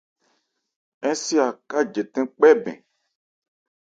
Ń se Aká jɛtɛ̂n kpɛ́ bɛn.